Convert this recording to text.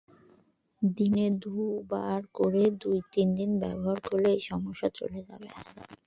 দিনে দুবার করে দুই তিন দিন ব্যবহার করলেই এই সমস্যা চলে যাবে।